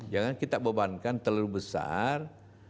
jangan kita bebankan terlalu besar